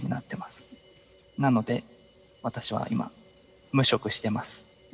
なので私は今無職してます。